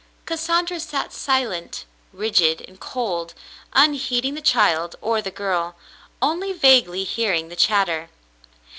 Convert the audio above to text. Cassandra sat silent, rigid, and cold, unheeding the child or the girl, only vaguely hearing the chatter.